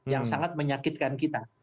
yang sangat menyakitkan kita